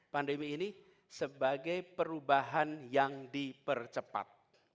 pandemi ini sebagai perubahan yang dipercepat